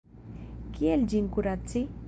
Kiel ĝin kuraci?